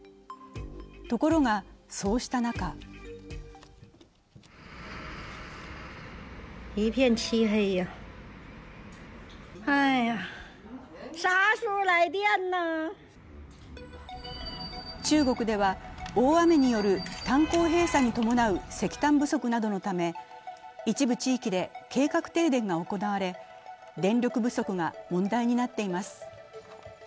ところが、そうした中中国では大雨による炭鉱閉鎖に伴う石炭不足などのため一部地域で計画停電が行われ、電力不足が問題になっています。